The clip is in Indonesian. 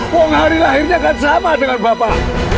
pong hari lahirnya kan sama dengan bapak